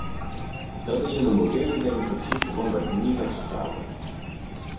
Dat is in een moderne democratie gewoonweg niet acceptabel.